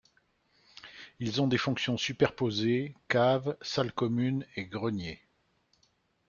Ils ont des fonctions superposées, cave, salle commune et grenier.